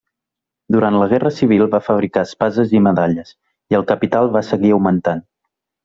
Durant la Guerra Civil va fabricar espases i medalles, i el capital va seguir augmentant.